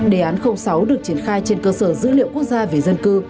đề án sáu được triển khai trên cơ sở dữ liệu quốc gia về dân cư